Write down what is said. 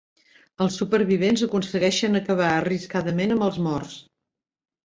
Els supervivents aconsegueixen acabar arriscadament amb els morts.